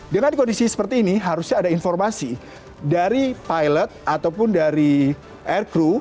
dengan kondisi seperti ini harusnya ada informasi dari pilot ataupun dari aircrew